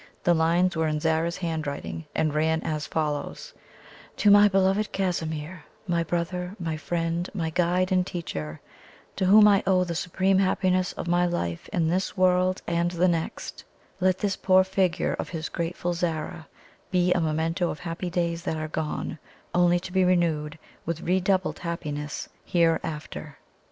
The lines were in Zara's handwriting, and ran as follows: "To my beloved Casimir my brother, my friend, my guide and teacher, to whom I owe the supreme happiness of my life in this world and the next let this poor figure of his grateful Zara be a memento of happy days that are gone, only to be renewed with redoubled happiness hereafter."